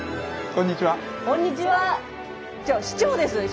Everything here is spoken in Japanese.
こんにちは！